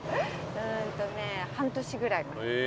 うんとね半年ぐらい前。